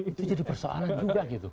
itu jadi persoalan juga